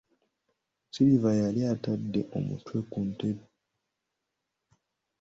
Silver yali atadde omutwe ku ntebe.